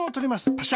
パシャ。